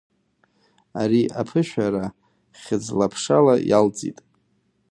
Ари аԥышәара хьыӡла-ԥшала иалҵит.